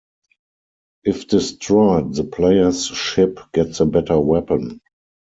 If destroyed, the player's ship gets a better weapon.